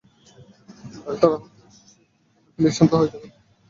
Doctor রাউন্ডে আসছেন, please শান্ত হয়ে থাকুন।